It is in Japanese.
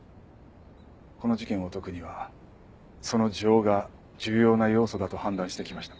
この事件を解くにはその情が重要な要素だと判断して来ました。